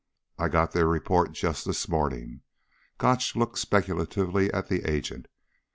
I got their report just this morning." Gotch looked speculatively at the agent.